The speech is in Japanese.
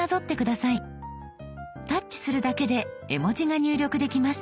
タッチするだけで絵文字が入力できます。